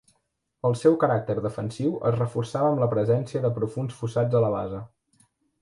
El seu caràcter defensiu es reforçava amb la presència de profunds fossats a la base.